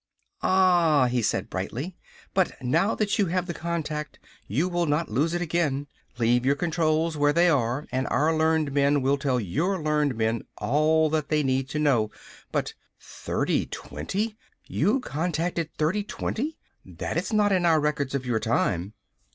"Ah!" he said brightly, "_but now that you have the contact, you will not lose it again! Leave your controls where they are, and our learned men will tell your learned men all that they need to know. But 3020? You contacted 3020? That is not in our records of your time!